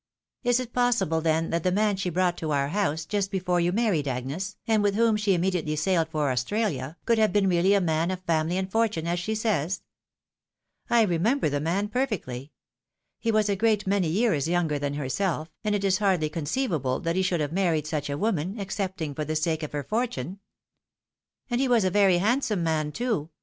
Is it possible, then, that the man she brought to our house, just before you married, Agnes, and with whom she immediately sailed for Australia, could have been really a man of family and 316 THE WIDOW MARRIED. fortune, as she says? I remember the man perfectly. He was a great many years younger than herself, and it is hardly "con ceivable that he should have married such a woman, excepting for the sake of her fortune." •" And he was a very handsome man, too.